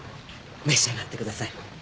召し上がってください